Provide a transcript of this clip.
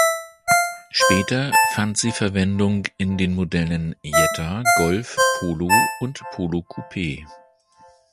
Später fand sie Verwendung in den Modellen Jetta, Golf, Polo und Polo Coupe.